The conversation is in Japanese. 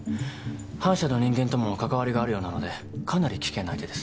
反社の人間とも関わりがあるようなのでかなり危険な相手です。